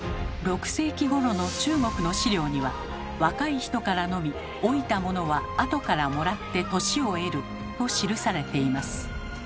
６世紀ごろの中国の史料には「若い人から飲み老いた者はあとからもらって年を得る」と記されています。